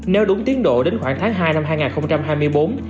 nếu đúng tiến độ đến khoảng tháng hai năm hai nghìn hai mươi bốn